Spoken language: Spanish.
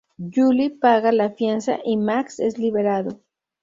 Julie paga la fianza y Maxx es liberado.